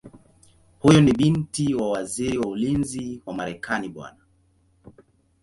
Huyu ni binti wa Waziri wa Ulinzi wa Marekani Bw.